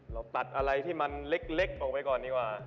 เราตัดอะไรที่มันเล็กออกไปก่อนดีกว่า